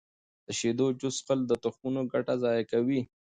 د شیدو جوس څښل د تخمونو ګټه ضایع کوي.